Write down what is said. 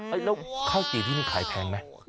แล้วข้าวจี่ที่นี่ขายแพงไหม